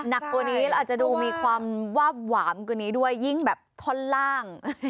หลานก์อันนี้อาจดูมีความหวาบหวามกว่านี้ด้วยยิ่งแบบทนล่าง